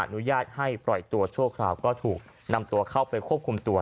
อนุญาตให้ปล่อยตัวชั่วคราวก็ถูกนำตัวเข้าไปควบคุมตัว